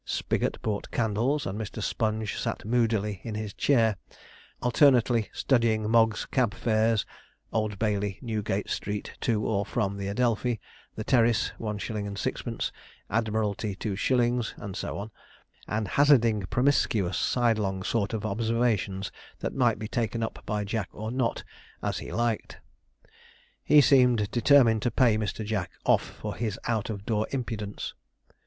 Spigot brought candles, and Mr. Sponge sat moodily in his chair, alternately studying Mogg's Cab Fares 'Old Bailey, Newgate Street, to or from the Adelphi, the Terrace, 1_s._ 6_d._; Admiralty, 2_s._'; and so on; and hazarding promiscuous sidelong sort of observations, that might be taken up by Jack or not, as he liked. He seemed determined to pay Mr. Jack off for his out of door impudence.